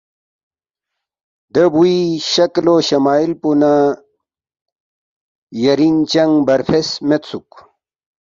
دے بُوی شکل وشمائل پو نہ یرینگ چنگ برفیس میدسُوک